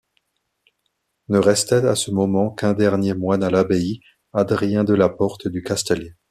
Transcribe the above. Ne restait à ce moment qu'un dernier moine à l'abbaye, Adrien Delaporte du Castellier.